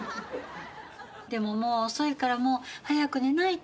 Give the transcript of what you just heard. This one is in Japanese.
でももう遅いからもう早く寝ないと。